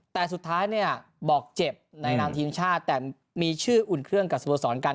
แต่สุดท้ายเนี่ยบอกเจ็บในนามทีมชาติแต่มีชื่ออุ่นเครื่องกับสโมสรกัน